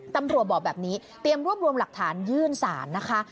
ตำรวจบอกแบบนี้เตรียมรวบรวมหลักฐานยื่นสารนะคะ